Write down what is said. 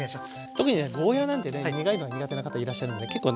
特にねゴーヤーなんてね苦いのが苦手な方いらっしゃるんで結構ね